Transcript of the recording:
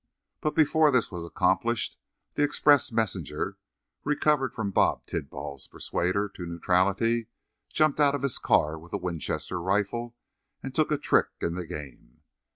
But before this was accomplished the express messenger, recovered from Bob Tidball's persuader to neutrality, jumped out of his car with a Winchester rifle and took a trick in the game.